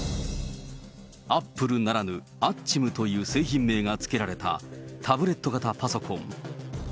アップルならぬ、アッチムという製品名が付けられたタブレット型パソコン。